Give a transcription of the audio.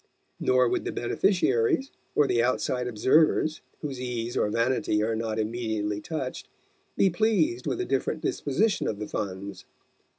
Nor would the beneficiaries, or the outside observers whose ease or vanity are not immediately touched, be pleased with a different disposition of the funds.